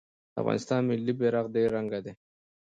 د افغانستان ملي بیرغ درې رنګه دی